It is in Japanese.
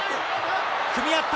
組み合った。